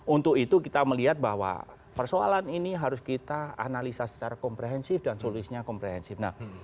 untuk itu kita melihat bahwa persoalan ini harus kita analisa secara komprehensif dan solusinya komprehensif